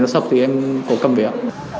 sắp thì em có cầm việc